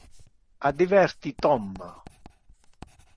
Adverti Tom.